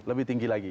lebih tinggi lagi